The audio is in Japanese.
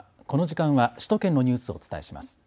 この時間は首都圏のニュースをお伝えします。